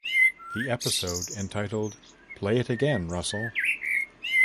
The episode entitled "Play It Again, Russell".